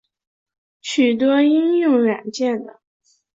许多应用软件等。